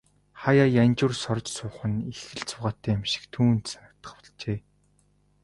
Хааяа янжуур сорж суух нь их л зугаатай юм шиг түүнд санагдах болжээ.